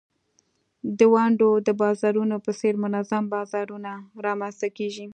د ونډو د بازارونو په څېر منظم بازارونه رامینځته کیږي.